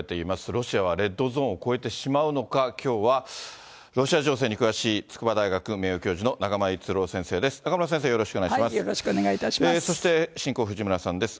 ロシアはレッドゾーンを越えてしまうのか、きょうは、ロシア情勢に詳しい、筑波大学名誉教授の中村逸郎先生です。